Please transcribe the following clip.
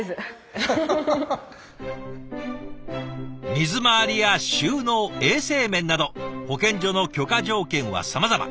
水回りや収納衛生面など保健所の許可条件はさまざま。